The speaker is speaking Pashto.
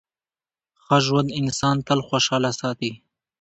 ښه ژوند انسان تل خوشحاله ساتي.